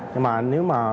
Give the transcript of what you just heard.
nhưng mà nếu mà